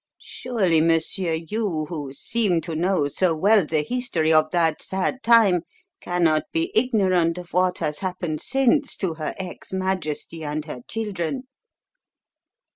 Surely, monsieur, you who seem to know so well the history of that sad time cannot be ignorant of what has happened since to her ex Majesty and her children?"